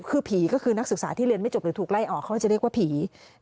คือผีก็คือนักศึกษาที่เรียนไม่จบหรือถูกไล่ออกเขาจะเรียกว่าผี